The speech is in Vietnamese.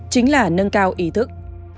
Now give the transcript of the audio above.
chính là nâng cao ý thức